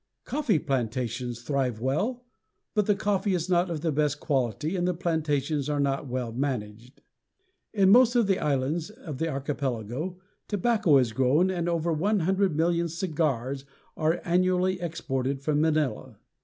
Coffee plantations thrive well, but the coffee is not of the best quality and the plantations are not well managed. In most of the islands of the archipelago tobacco is grown and over one hundred million cigars are annually exported from Manila.